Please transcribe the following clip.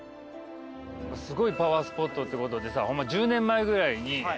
すごいパワースポットってことでさ。